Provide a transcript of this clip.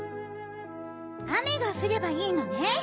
アメがふればいいのね。